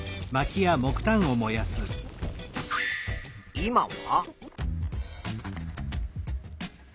今は？